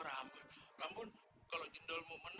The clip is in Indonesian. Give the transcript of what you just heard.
amin ya tuhan